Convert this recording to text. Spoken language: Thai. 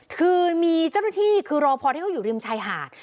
คือมีเจ้าหน้าที่คือรอพอที่เขาอยู่ริมชายหาด